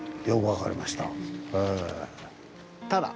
よく分かりました。